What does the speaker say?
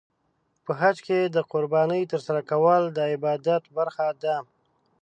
په حج کې د قربانۍ ترسره کول د عبادت برخه ده.